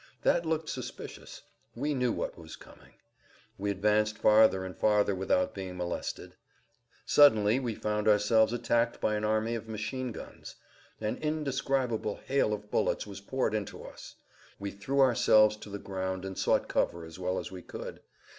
That looked suspicious; we knew what was coming. We advanced farther and farther without being molested. Suddenly we found ourselves attacked by an army of machine guns. An indescribable hail of bullets was poured into us. We threw ourselves to the ground and sought cover as well as we could.